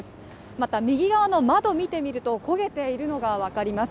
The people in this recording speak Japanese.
また右側の窓を見てみると焦げているのがわかります。